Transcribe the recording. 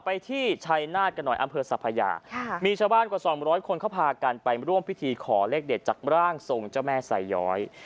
ไปที่ชัยนาธกันหน่อยอำเภอสัพพยามีชาวบ้านกว่าสองร้อยคนเขาพากันไปร่วมพิธีขอเลขเด็ดจากร่างทรงเจ้าแม่สายย้อย